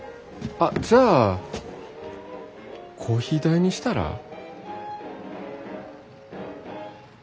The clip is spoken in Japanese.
あっじゃあコーヒー代にしたら？